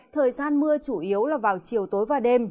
thời gian mưa chủ yếu là vào chiều tối và đêm